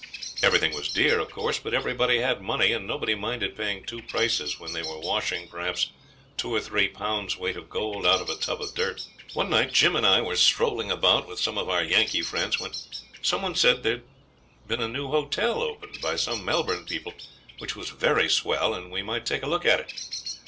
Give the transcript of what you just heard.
Everything was dear, of course; but everybody had money, and nobody minded paying two prices when they were washing, perhaps, two or three pounds' weight of gold out of a tub of dirt. One night Jim and I were strolling about with some of our Yankee friends, when some one said there'd been a new hotel opened by some Melbourne people which was very swell, and we might take a look at it.